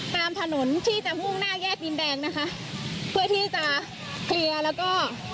ตามถนนที่จะมุ่งหน้าแยกดินแดงนะคะเพื่อที่จะเคลียร์แล้วก็